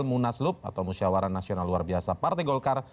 munaslup atau musyawara nasional luar biasa partai golkar